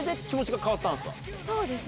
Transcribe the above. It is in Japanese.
そうですね。